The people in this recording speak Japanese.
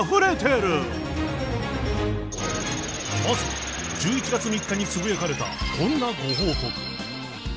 まず１１月３日につぶやかれたこんなご報告。